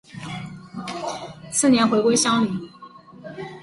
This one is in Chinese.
次年回归乡里。